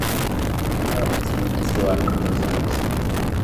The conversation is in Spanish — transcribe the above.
Una variación es jugar con dos dados.